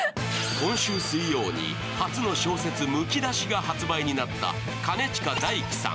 今週水曜に初の小説「むき出し」が発売になった兼近大樹さん。